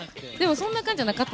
そんな感じじゃなかった。